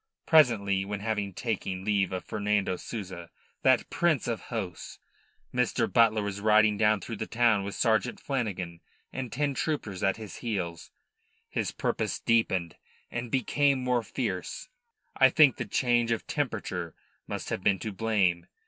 Presently, when having taken leave of Fernando Souza that prince of hosts Mr. Butler was riding down through the town with Sergeant Flanagan and ten troopers at his heels, his purpose deepened and became more fierce. I think the change of temperature must have been to blame.